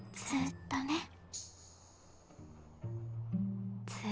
ずっとね。